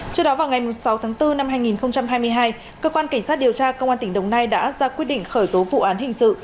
trước đó vào ngày sáu tháng bốn năm hai nghìn hai mươi hai cơ quan cảnh sát điều tra công an tỉnh đồng nai đã ra quyết định khởi tố vụ án hình sự